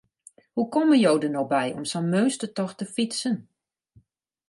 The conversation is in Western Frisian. Hoe komme jo der no by om sa'n meunstertocht te fytsen?